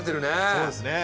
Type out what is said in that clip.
そうですねえ。